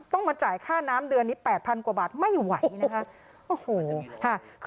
ต้องมาจ่ายค่าน้ำเดือนนี้๘๐๐กว่าบาทไม่ไหวนะคะ